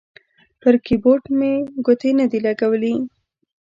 پر کیبورډ مې ګوتې نه دي لګولي